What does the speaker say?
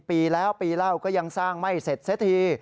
ปีแล้วปีเล่าก็ยังสร้างไม่เสร็จเสียที